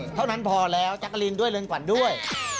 เท่านั้นพอแล้วจักรินด้วยเรือนฝันด้วย